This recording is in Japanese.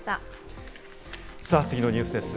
さあ、次のニュースです。